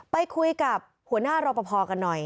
ไปคุยกับหัวหน้ารอปภกันหน่อย